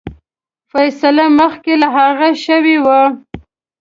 فیصله مخکي له هغه شوې وه.